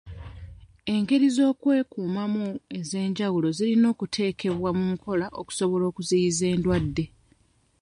Engeri ez'okwekuumamu ez'enjawulo zirina okuteekebwa mu nkola okusobola okuziyiza endwadde.